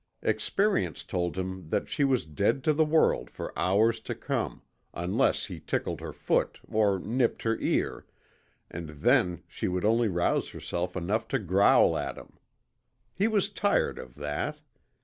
Experience told him that she was dead to the world for hours to come, unless he tickled her foot or nipped her ear, and then she would only rouse herself enough to growl at him. He was tired of that.